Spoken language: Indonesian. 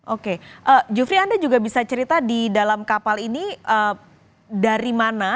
oke jufri anda juga bisa cerita di dalam kapal ini dari mana